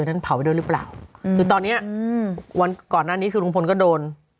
นั้นเผาไปด้วยหรือเปล่าคือตอนเนี้ยอืมวันก่อนหน้านี้คือลุงพลก็โดน